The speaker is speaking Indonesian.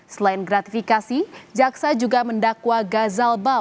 selain gratifikasi jaksa juga mendakwa gazal bam